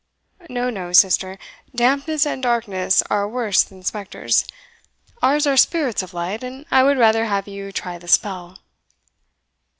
"No, no, sister; dampness and darkness are worse than spectres ours are spirits of light, and I would rather have you try the spell."